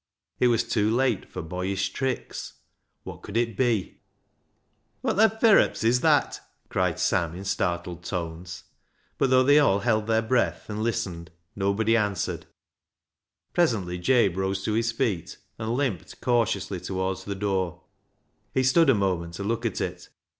It was too late for boyish tricks. What could it be ?" Wot th' ferrups is that ?" cried Sam in startled tones. But though they all held their breath, and listened, nobody answered. Presently Jabe rose to his feet, and limped cautiously towards the door. He stood a moment to look at it.